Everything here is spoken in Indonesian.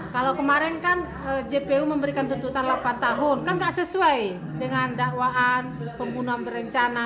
kalau kemarin kan jpu memberikan tuntutan delapan tahun kan nggak sesuai dengan dakwaan pembunuhan berencana